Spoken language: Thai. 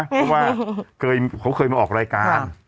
เพราะว่าเขาเคยมาออกรายการ